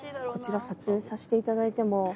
こちら撮影させていただいても。